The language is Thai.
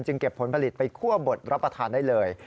เก็บผลผลิตไปคั่วบดรับประทานได้เลย